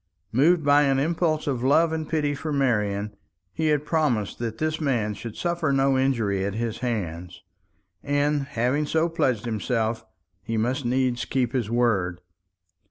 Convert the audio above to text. Moved by an impulse of love and pity for Marian, he had promised that this man should suffer no injury at his hands; and, having so pledged himself, he must needs keep his word.